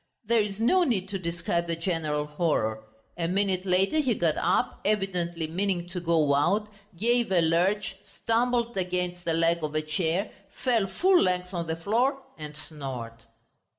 There is no need to describe the general horror. A minute later he got up, evidently meaning to go out, gave a lurch, stumbled against the leg of a chair, fell full length on the floor and snored....